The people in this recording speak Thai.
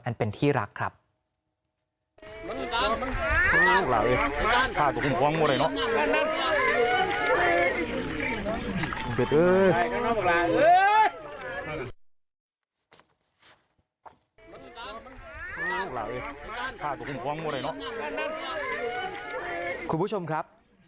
อันเป็นที่รักครับ